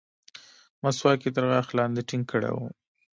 مسواک يې تر غاښ لاندې ټينګ کړى و.